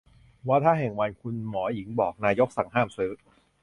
วาทะแห่งวัน คุณหมอหญิงบอก นายกสั่งห้ามซื้อ